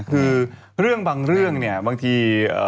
คือเรื่องบางเรื่องเนี่ยบางที